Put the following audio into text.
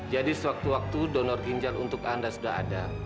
jadi sewaktu waktu donor ginjal untuk anda sudah ada